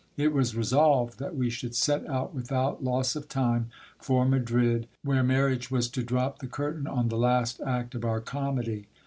It was resolved that we should set out without loss, of time for Madrid, where marriage was to drop the curtain on the last act of our comedy.